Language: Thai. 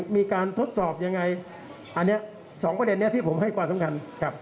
มีการทดสอบอย่างไรอันนี้๒ประเด็นที่ผมให้ความสำคัญ